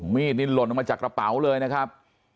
มีดนี่หล่นออกมาจากกระเป๋าเลยนะครับ